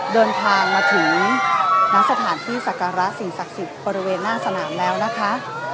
เดินทางมาถึงณสถานที่สักการะสิ่งศักดิ์สิทธิ์บริเวณหน้าสนามแล้วนะคะ